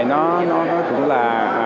nó cũng là